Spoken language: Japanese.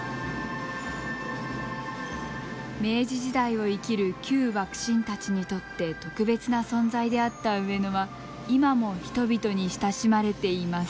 明治時代を生きる旧幕臣たちにとって特別な存在であった上野は今も人々に親しまれています。